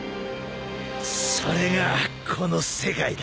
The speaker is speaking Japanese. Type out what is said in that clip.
それがこの世界だ！